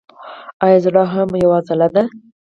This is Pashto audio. ایا زړه هم یوه عضله ده